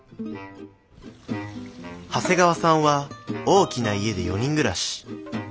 長谷川さんは大きな家で４人暮らし。